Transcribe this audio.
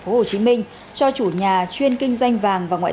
thuộc phường bốn quận năm tp hcm